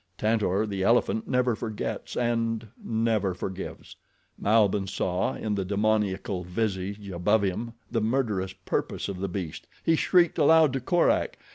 Tantor, the elephant, never forgets and never forgives. Malbihn saw in the demoniacal visage above him the murderous purpose of the beast. He shrieked aloud to Korak.